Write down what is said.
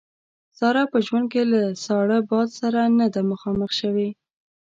ساره په ژوند کې له ساړه باد سره نه ده مخامخ شوې.